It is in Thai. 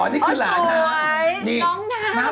อ๋อนี่คือหลานนาง